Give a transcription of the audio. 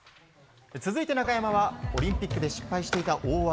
続いて、中山はオリンピックで失敗していた大技。